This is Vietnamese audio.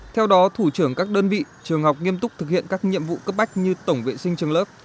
theo đó thủ trưởng các đơn vị trường học nghiêm túc thực hiện các nhiệm vụ cấp bách như tổng vệ sinh trường lớp